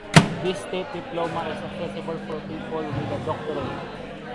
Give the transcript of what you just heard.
This state diploma is accessible for people with a doctorate.